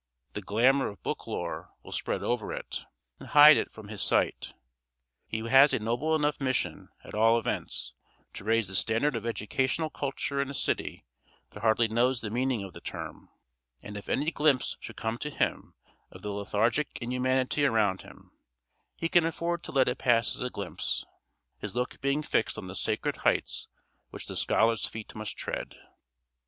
The glamour of book lore will spread over it, and hide it from his sight. He has a noble enough mission, at all events: to raise the standard of educational culture in a city that hardly knows the meaning of the term; and if any glimpse should come to him of the lethargic inhumanity around him, he can afford to let it pass as a glimpse his look being fixed on the sacred heights which the scholar's feet must tread.